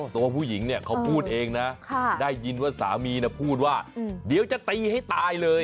ตัวผู้หญิงเนี่ยเขาพูดเองนะได้ยินว่าสามีพูดว่าเดี๋ยวจะตีให้ตายเลย